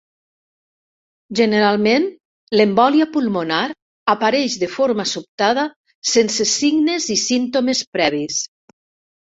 Generalment, l'embòlia pulmonar apareix de forma sobtada sense signes i símptomes previs.